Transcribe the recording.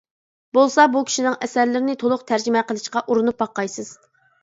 بولسا بۇ كىشىنىڭ ئەسەرلىرىنى تولۇق تەرجىمە قىلىشقا ئۇرۇنۇپ باققايسىز.